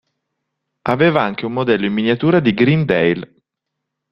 Aveva anche un modello in miniatura di Greendale.